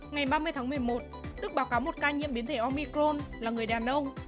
ngày ba mươi tháng một mươi một đức báo cáo một ca nhiễm biến thể omicron là người đàn ông